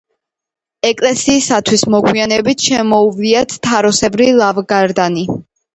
ეკლესიისათვის მოგვიანებით შემოუვლიათ თაროსებრი ლავგარდანი.